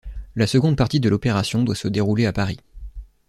La seconde partie de l'opération doit se dérouler à Paris.